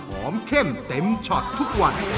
เข้มเต็มช็อตทุกวัน